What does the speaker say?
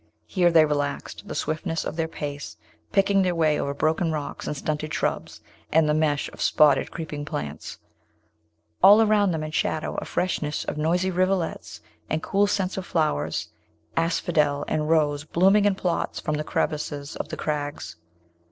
Here they relaxed the swiftness of their pace, picking their way over broken rocks and stunted shrubs, and the mesh of spotted creeping plants; all around them in shadow a freshness of noisy rivulets and cool scents of flowers, asphodel and rose blooming in plots from the crevices of the crags.